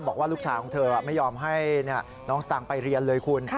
บอกว่าลูกชายของเธอไม่ยอมให้น้องสตางค์ไปเรียนเลยคุณ